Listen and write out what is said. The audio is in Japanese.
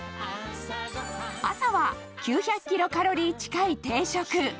朝は、９００キロカロリー近い定食。